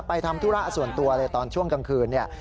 ไปทำธุระส่วนตัวเลยตอนช่วงกลางคืน